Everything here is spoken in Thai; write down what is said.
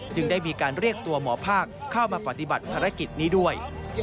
ได้มีการเรียกตัวหมอภาคเข้ามาปฏิบัติภารกิจนี้ด้วย